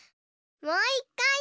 もういっかい！